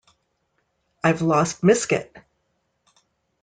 I've lost Misket.